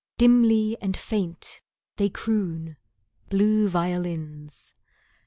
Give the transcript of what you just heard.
Dimly and faint they croon, blue violins.